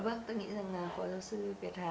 vâng tôi nghĩ rằng phó giáo sư việt hà